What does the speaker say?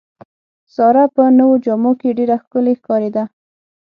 ساره په نوو جامو کې ډېره ښکلې ښکارېده.